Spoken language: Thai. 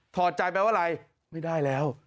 อดใจแปลว่าอะไรไม่ได้แล้ว